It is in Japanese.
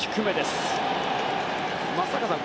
松坂さん